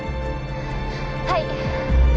はい。